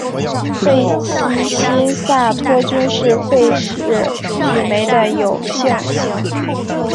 费希新萨托菌是费氏曲霉的有性型。